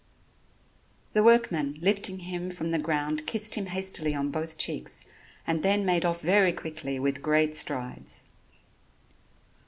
The workman, lifting him from the ground kissed him hastily on both cheeks, and then made off very quickly with great strides.